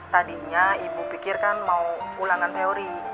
tadinya ibu pikirkan mau ulangan teori